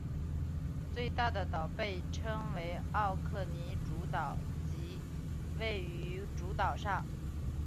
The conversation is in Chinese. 最大的岛被称为奥克尼主岛即位于主岛上。